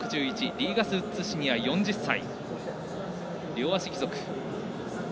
リーガス・ウッズシニア、４０歳。